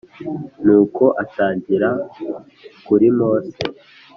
Nuko atangirira kuri Mose